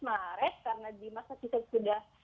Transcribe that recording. karena di masa itu sudah